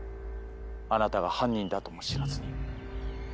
あなたが犯人だとも知らずに。